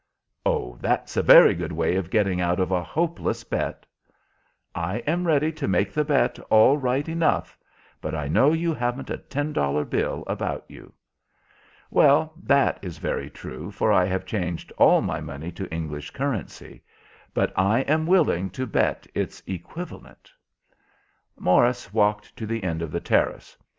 "Oh, that's a very good way of getting out of a hopeless bet." "I am ready to make the bet all right enough, but I know you haven't a ten dollar bill about you." "Well, that is very true, for I have changed all my money to English currency; but I am willing to bet its equivalent." Morris walked to the end of the terrace.